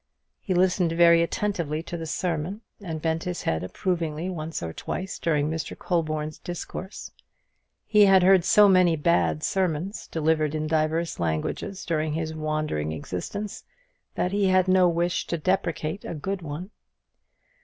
He listened very attentively to the sermon, and bent his head approvingly once or twice during Mr. Colborne's discourse. He had heard so many bad sermons, delivered in divers languages, during his wandering existence, that he had no wish to depreciate a good one.